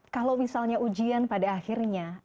kalau misalnya ujian pada akhirnya